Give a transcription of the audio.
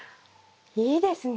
いいですね。